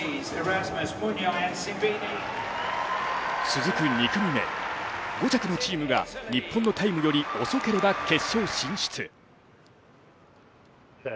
続く２組目、５着のチームが日本のタイムより遅ければ決勝進出。